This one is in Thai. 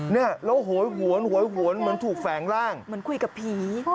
เนี่ยแล้วโหยหวนหวยหวนเหมือนถูกแฝงร่างเหมือนคุยกับผี